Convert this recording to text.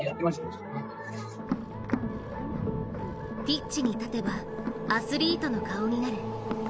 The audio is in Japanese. ピッチに立てばアスリートの顔になる。